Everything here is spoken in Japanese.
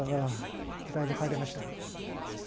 だいぶ変わりました。